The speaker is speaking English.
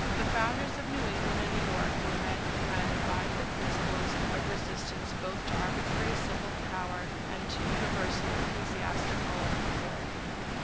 The founders of New England and New York were men who had imbibed the principles of resistance both to arbitrary civil power and to universal ecclesiastical authority.